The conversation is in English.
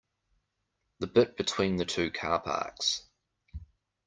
The bit between the two car parks?